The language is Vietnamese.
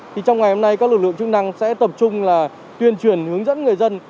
thì trong ngày hôm nay các lực lượng chức năng sẽ tập trung là tuyên truyền hướng dẫn người dân